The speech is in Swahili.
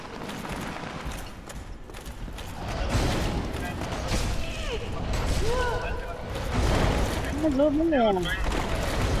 kwa maneno na vitendo pamoja na uhamasishaji wa nguvu aliandika kwenye Twita siku ya Alhamisi